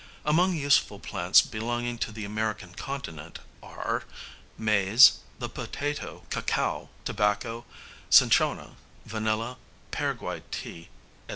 Among useful plants belonging to the American continent are maize, the potato, cacao, tobacco, cinchona, vanilla, Paraguay tea, &c.